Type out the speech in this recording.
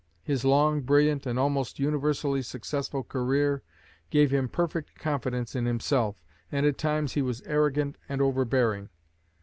His long, brilliant, and almost universally successful career, gave him perfect confidence in himself, and at times he was arrogant and overbearing....